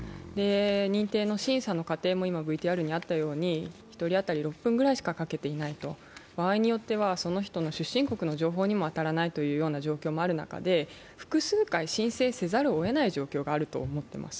認定の審査の過程も１人当たり６分ぐらいしかかけていない、場合によってはその人の出身国の情報にも当たらないという状況の中で複数回申請せざるをえない状況があると思っています。